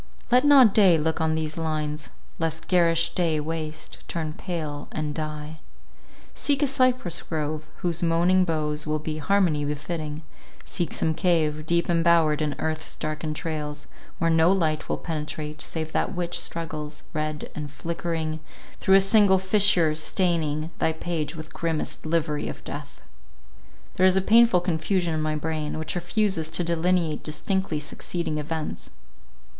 Let not day look on these lines, lest garish day waste, turn pale, and die. Seek a cypress grove, whose moaning boughs will be harmony befitting; seek some cave, deep embowered in earth's dark entrails, where no light will penetrate, save that which struggles, red and flickering, through a single fissure, staining thy page with grimmest livery of death. There is a painful confusion in my brain, which refuses to delineate distinctly succeeding events.